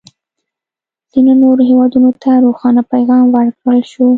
ځینو نورو هېوادونه ته روښانه پیغام ورکړل شو.